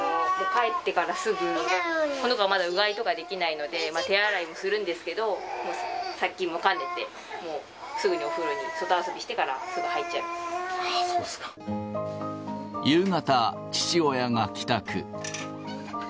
帰ってからすぐ、この子はまだうがいとかできないので、手洗いもするんですけど、殺菌も兼ねて、もうすぐにお風呂に、外遊びしてからすぐ入っちゃ夕方、父親が帰宅。